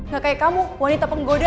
gak kayak kamu wanita penggoda